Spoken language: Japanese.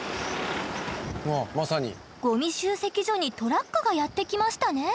ゴミ集積所にトラックがやって来ましたね。